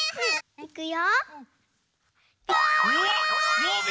いくよ！